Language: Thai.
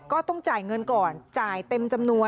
ก็ต้องจ่ายเงินก่อน